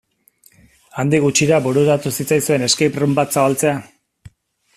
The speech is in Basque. Handik gutxira bururatu zitzaizuen escape room bat zabaltzea?